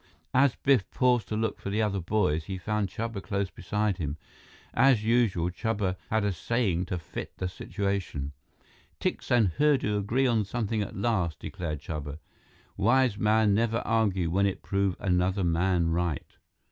As Biff paused to look for the other boys, he found Chuba close beside him. As usual, Chuba had a saying to fit the situation. "Tikse and Hurdu agree on something at last," declared Chuba. "Wise man never argue when it prove another man right."